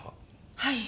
はい。